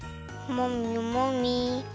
もみもみ！